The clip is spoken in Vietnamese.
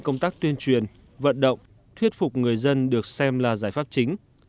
công tác tuyên truyền vận động thuyết phục người dân được xem là giải pháp chính